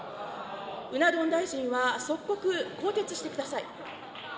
うな丼大臣は即刻更迭してください。